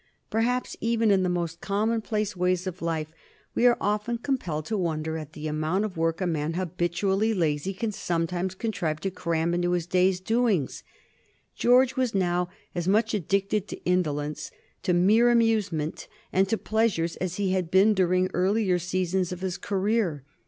Perhaps even in the most commonplace ways of life we are often compelled to wonder at the amount of work a man habitually lazy can sometimes contrive to cram into his day's doings. George was now as much addicted to indolence, to mere amusement, and to pleasures as he had been during earlier seasons of his career.